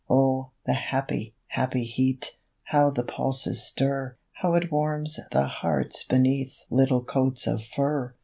Oh, the happy, happy heat! How the pulses stir, How it warms the hearts beneath Little coats of fur!